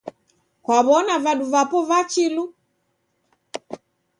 Kwaw'ona vadu vapo va chilu?